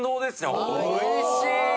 おいしい。